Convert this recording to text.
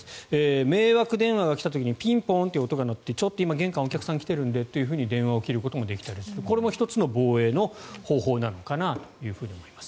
迷惑電話が来た時にピンポーンという音が鳴ってちょっと今、玄関にお客さんが来ているのでと電話を切ることができるこれも１つの防衛の方法なのかなと思います。